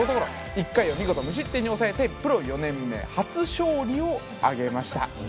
１回を見事無失点に抑えてプロ４年目初勝利を挙げました。